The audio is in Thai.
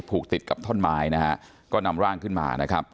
ผูกติดกับท่อนไม้นะฮะก็นำร่างขึ้นมานะครับ